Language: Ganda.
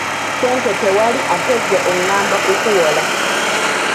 Ssente tewali ate ggwe ongamba kukuwola!